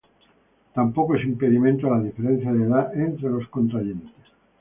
Tampoco es impedimento la diferencia de edad entre los contrayentes.